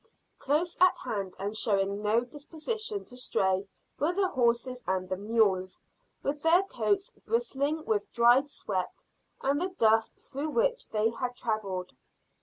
Close at hand, and showing no disposition to stray, were the horses and the mules, with their coats bristling with dried sweat, and the dust through which they had travelled.